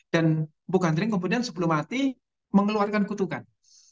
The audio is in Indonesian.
dan bu kandring kemudian sebelum mati mengeluarkan kutukan